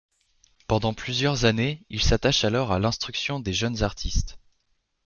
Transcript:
Pendant plusieurs années, il s'attache alors à l'instruction des jeunes artistes.